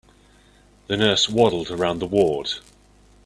The nurse waddled around the ward.